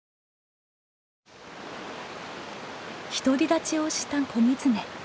独り立ちをした子ギツネ。